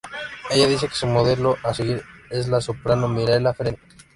Ella dice que su modelo a seguir es la soprano Mirella Freni.